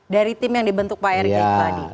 dari tim yang dibentuk pak erick tadi